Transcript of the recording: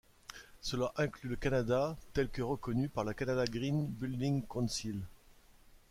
Cela inclut le Canada tel que reconnu par le Canada Green Building Council.